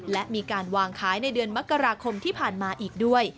และมีการวางขายในเดือนมกราคมที่ผ่านมาอีกด้วย